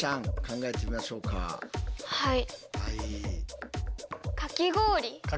はい。